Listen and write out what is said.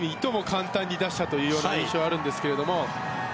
簡単に出したという印象があるんですけども。